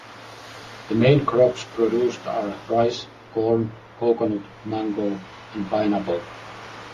The main crops produced are rice, corn, coconut, mango, and pineapple.